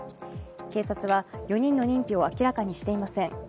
警察は４人の認否を明らかにしていません。